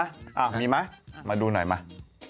อ่ะมีมั้ยมาดูหน่อยมา